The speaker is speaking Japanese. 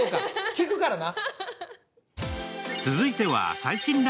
効くからな。